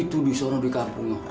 itu disana di kampungnya